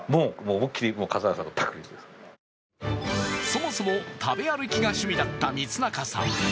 そもそも食べ歩きが趣味だった満仲さん。